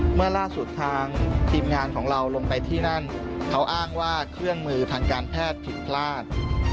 เมื่อล่าสุดทางทีมงานของเราลงไปที่นั่นเขาอ้างว่าเครื่องมือทางการแพทย์ผิดพลาด